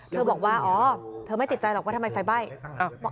บอกว่าอ๋อเธอไม่ติดใจหรอกว่าทำไมไฟไหม้